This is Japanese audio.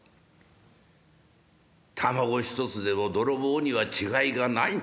玉子一つでも泥棒には違いがない。